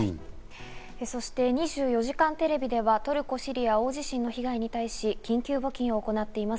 そして『２４時間テレビ』ではトルコ・シリア大地震の被害に対し、緊急募金を行っています。